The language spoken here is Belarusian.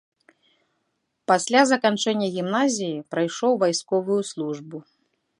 Пасля заканчэння гімназіі прайшоў вайсковую службу.